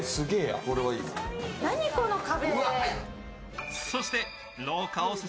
何、この壁。